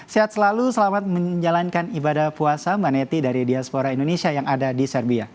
sehat selalu selamat menjalankan ibadah puasa mbak neti dari diaspora indonesia yang ada di serbia